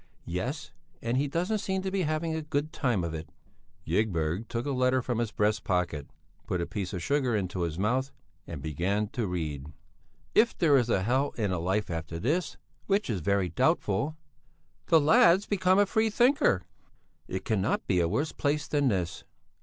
"Yes, and he doesn't seem to be having a good time of it." Ygberg took a letter from his breast pocket, put a piece of sugar into his mouth and began to read. "If there is a hell in a life after this, which is very doubtful...." "The lad's become a free thinker!" "It cannot be a worse place than this.